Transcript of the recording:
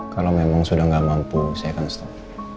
kalau memang sudah tidak mampu saya akan stop